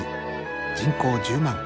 人口１０万。